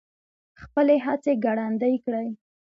خپلې هڅې ګړندۍ کړي.